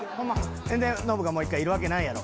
でノブがもう１回「いるわけないやろ」やろ？